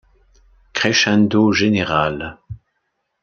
Crescendo général.